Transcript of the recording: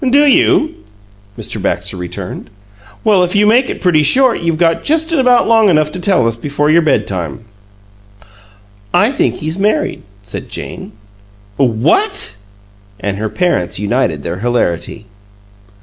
"Do you?" Mr. Baxter returned. "Well, if you make it pretty short, you've got just about long enough to tell us before your bedtime." "I think he's married," said Jane. "What!" And her parents united their hilarity.